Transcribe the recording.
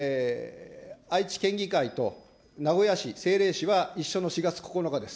例えば愛知県では、愛知県議会と名古屋市、政令市は一緒の４月９日です。